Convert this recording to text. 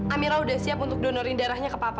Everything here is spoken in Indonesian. amira sudah siap untuk don origin darahnya ke papa